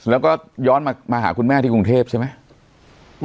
แล้วก็ย้อนมาหาคุณแม่ที่กรุงเทพใช่ไหม